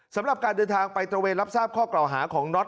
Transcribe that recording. สำหรับการเดินทางไปตระเวนรับทราบข้อกล่าวหาของน็อต